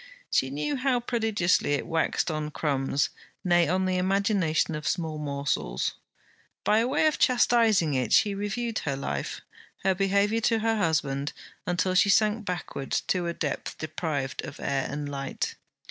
She knew how prodigiously it waxed on crumbs; nay, on the imagination of small morsels. By way of chastizing it, she reviewed her life, her behaviour to her husband, until she sank backward to a depth deprived of air and light.